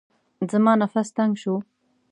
زما نفس تنګ شو.